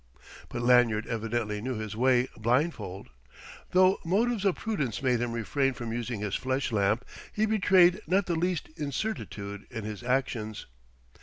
But Lanyard evidently knew his way blindfold: though motives of prudence made him refrain from using his flash lamp, he betrayed not the least incertitude in his actions.